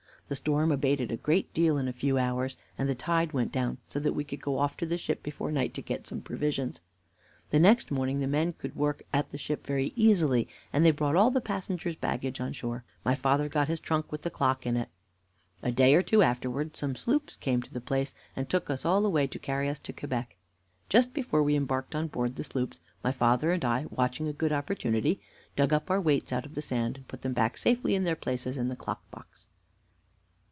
The storm abated a great deal in a few hours, and the tide went down, so that we could go off to the ship before night to get some provisions. The next morning the men could work at the ship very easily, and they brought all the passengers' baggage on shore. My father got his trunk with the clock in it. A day or two afterward some sloops came to the place, and took us all away to carry us to Quebec. Just before we embarked on board the sloops, my father and I, watching a good opportunity, dug up our weights out of the sand, and put them back safely in their places in the clock box."